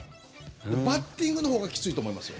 バッティングのほうがきついと思いますよ。